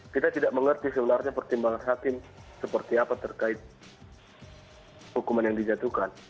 kita tidak mengerti sebenarnya pertimbangan hakim seperti apa terkait hukuman yang dijatuhkan